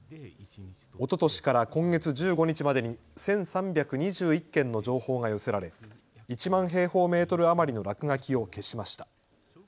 おととしから今月１５日までに１３２１件の情報が寄せられ１万平方メートル余りの落書きを消しました。